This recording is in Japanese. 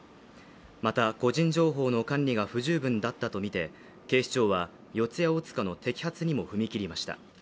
また、個人情報の管理が不十分だったとみて警視庁は、四谷大塚の摘発にも踏み切りました。